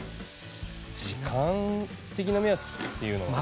時間的な目安っていうのは？